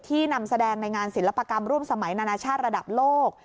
นำแสดงในงานศิลปกรรมร่วมสมัยนานาชาติระดับโลก